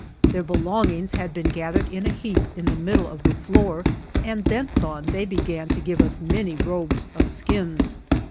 Their belongings had been gathered in a heap in the middle of the floor, and thence on they began to give us many robes of skins.